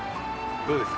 どうですか？